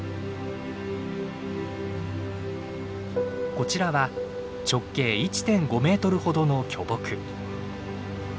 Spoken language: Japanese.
こちらは直径１．５メートルほどの巨木。